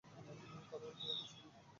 কারণ আমি তোমাকে চিনি।